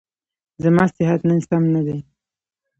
زما صحت نن سم نه دی.